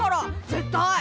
絶対！